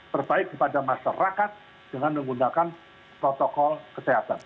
terbaik kepada masyarakat dengan menggunakan protokol kesehatan